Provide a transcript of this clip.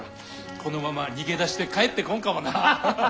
このまま逃げ出して帰ってこんかもな。